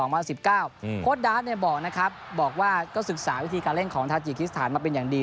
โค้ดาร์ดบอกนะครับบอกว่าก็ศึกษาวิธีการเล่นของทาจิกิสถานมาเป็นอย่างดี